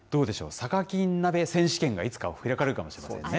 さかきん鍋選手権がいつか開かれるかもしれませんね。